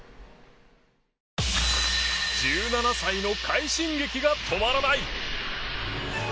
１７歳の快進撃が止まらない。